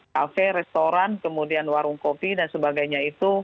kafe restoran kemudian warung kopi dan sebagainya itu